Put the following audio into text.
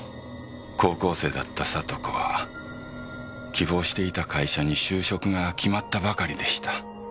高校生だった里子は希望していた会社に就職が決まったばかりでした。